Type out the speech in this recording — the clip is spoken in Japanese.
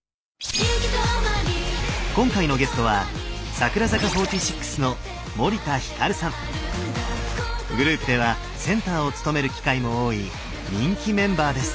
今回のゲストはグループではセンターを務める機会も多い人気メンバーです。